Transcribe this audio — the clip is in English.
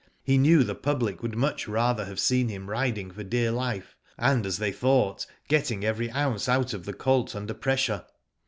He knew the public would much rather have seen him riding for dear life, and as they thought getting every ounce out of the colt under pressure.